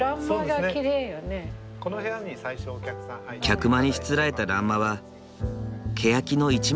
客間にしつらえた欄間はけやきの一枚板。